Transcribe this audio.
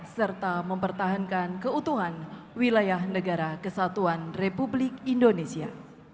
serta mempertahankan keutuhan wilayah negara kesatuan republik indonesia